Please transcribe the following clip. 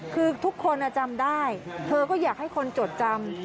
คือทุกคนจำได้เธอก็อยากให้คนจดจำ